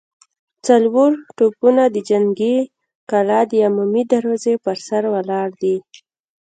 څلور توپونه د جنګي کلا د عمومي دروازې پر سر ولاړ دي.